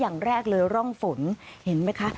อย่างแรกเลยร่องฝนเห็นไหมคะ